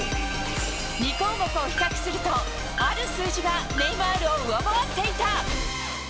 ２項目を比較すると、ある数字がネイマールを上回っていた。